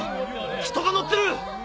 人が乗ってる！